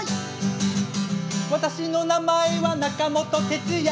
「私の名前は中本哲也」